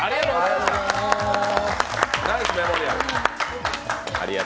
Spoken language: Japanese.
ナイスメモリアル。